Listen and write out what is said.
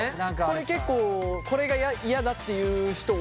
これ結構これが嫌だっていう人多いよね。